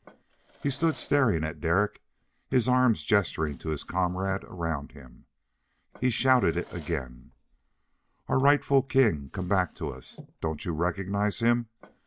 He stood staring at Derek, his arms gesturing to his comrade around him. He shouted it again: "Our rightful king, come back to us! Don't you recognize him?